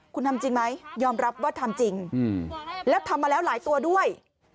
คุณทำจริงไหมยอมรับว่าทำจริงแล้วทำมาแล้วหลายตัวด้วย